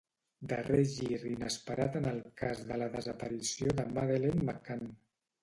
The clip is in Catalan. Darrer gir inesperat en el cas de la desaparició de Madeleine McCann